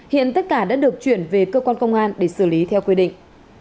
hiện tất cả đã được chuyển về cơ quan công an để xử lý theo quy định